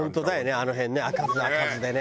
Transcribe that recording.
あの辺ね開かず開かずでね。